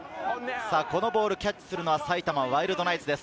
ボールをキャッチするのは埼玉ワイルドナイツです。